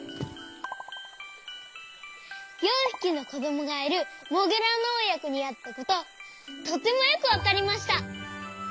４ひきのこどもがいるモグラのおやこにあったこととてもよくわかりました。